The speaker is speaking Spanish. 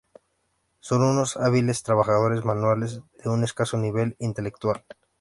Son unos hábiles trabajadores manuales, de un escaso nivel intelectual.